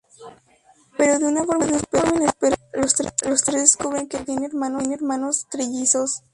Pero de una forma inesperada, los tres descubren que Gabriel tiene hermanos trillizos.